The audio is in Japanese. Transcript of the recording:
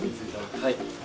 はい。